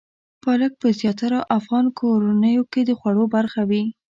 پالک په زیاترو افغان کورنیو کې د خوړو برخه وي.